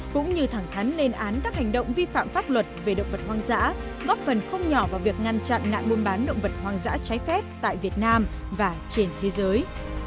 cũng như thẳng thắn lên án các hành động vi phạm pháp luật về động vật hoang dã góp phần không nhỏ vào việc ngăn chặn nạn buôn bán động vật hoang dã trái phép tại việt nam và trên thế giới